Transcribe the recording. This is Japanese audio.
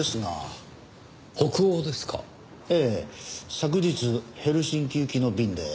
昨日ヘルシンキ行きの便で。